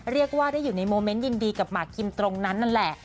เรียกว่าได้อยู่ในโมเมนต์ยินดีกับหมากคิมตรงนั้นนั่นแหละ